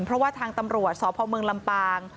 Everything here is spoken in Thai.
เพราะว่าทางตำรวจสพเมืองลำปาง